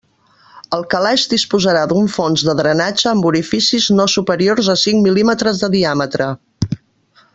El calaix disposarà d'un fons de drenatge amb orificis no superiors a cinc mil·límetres de diàmetre.